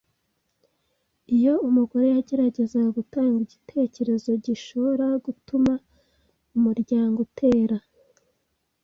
Iyo umugore yageragezaga gutanga igitekerezo gishoora gutuma umuryango utera